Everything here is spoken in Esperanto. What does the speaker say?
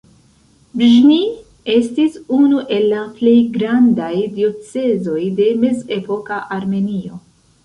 Bĵni estis unu el la plej grandaj diocezoj de mezepoka Armenio.